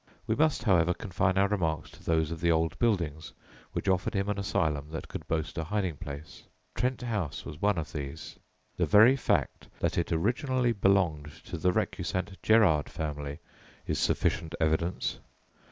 We must, however, confine our remarks to those of the old buildings which offered him an asylum that could boast a hiding place. Trent House was one of these. The very fact that it originally belonged to the recusant Gerard family is sufficient evidence.